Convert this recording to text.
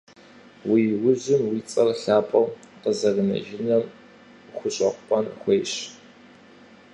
Уи ужьым уи цӀэр лъапӀэу къызэрынэжыным хущӀэкъун хуейщ.